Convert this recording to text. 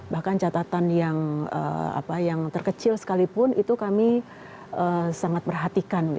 bahkan catatan yang terkecil sekalipun itu kami sangat perhatikan